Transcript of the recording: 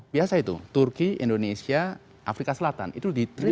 biasa itu turki indonesia afrika selatan itu di treat